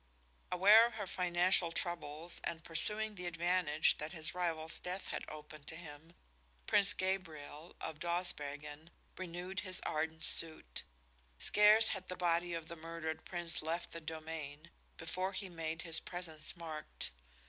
Aware of her financial troubles and pursuing the advantage that his rival's death had opened to him, Prince Gabriel, of Dawsbergen, renewed his ardent suit. Scarce had the body of the murdered Prince left the domain before he made his presence marked.